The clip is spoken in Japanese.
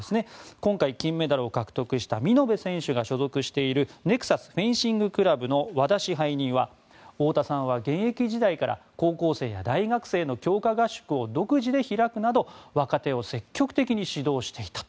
今回金メダルを獲得した見延選手が所属しているネクサスフェンシングクラブの和田支配人は太田さんは現役時代から高校生や大学生の強化合宿を独自で開くなど若手を積極的に指導していたと。